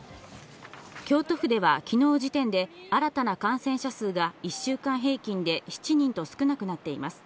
京都府では昨日時点で新たな感染者数が１週間平均で７人と少なくなっています。